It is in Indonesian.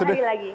dua hari lagi